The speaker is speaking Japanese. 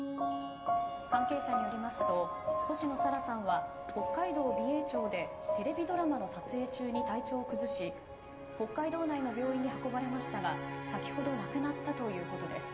関係者によりますと星野沙羅さんは北海道美瑛町でテレビドラマの撮影中に体調を崩し北海道内の病院に運ばれましたが先ほど亡くなったということです。